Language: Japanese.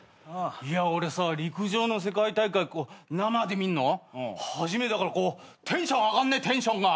俺さ陸上の世界大会生で見んの初めてだからテンション上がんねテンションが。